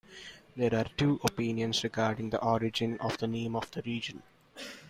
There are two opinions regarding the origin of the name of the region.